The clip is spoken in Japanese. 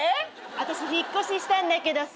私引っ越ししたんだけどさ。